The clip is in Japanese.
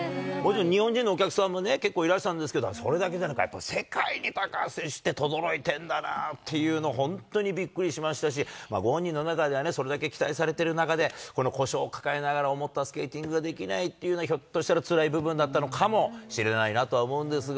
日本人のお客さんもね、結構いらしたんですけど、それだけじゃなくてやっぱ世界に高橋選手ってとどろいてるんだなっていうの、本当にびっくりしましたし、ご本人の中ではそれだけ期待されてる中で、この故障を抱えながら、思ったスケーティングができないっていうのは、ひょっとしたら、つらい部分だったのかもしれないなとは思うんですが。